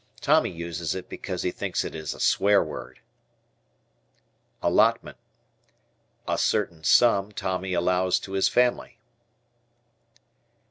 Tommy uses it because he thinks it is a swear word. Allotment. A certain sum Tommy allows to his family.